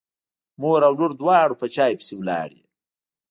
مور او لور دواړه په چای پسې لاړې.